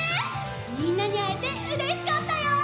みんなにあえてうれしかったよ。